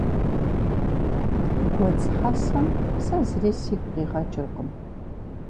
Гуэдз хьэсэм сэ зыри сигу къигъэкӀыркъым.